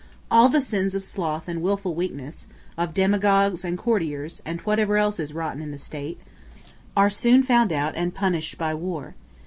All the sins of sloth and wilful weakness, of demagogues and courtiers, and whatever else is rotten in the state, are soon found out and punished by war.